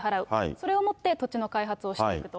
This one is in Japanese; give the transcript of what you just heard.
それをもって土地の開発をしていると。